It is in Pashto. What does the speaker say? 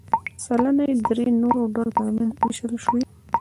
سلنه یې د درې نورو ډلو ترمنځ ووېشل شوې.